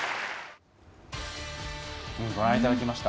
ご覧いただきました。